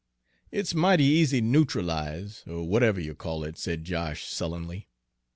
"It's mighty easy neut'alize', er whatever you call it," said Josh sullenly.